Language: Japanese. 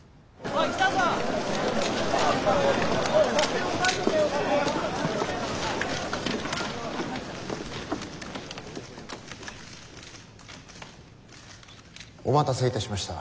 お待たせいたしました。